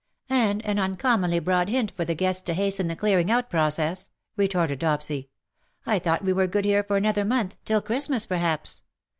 " And an uncommonly broad hint for the guests to hasten the clearing out process/^ retorted Dopsy. " I thought we were good here for another month — till Christmas perhaps.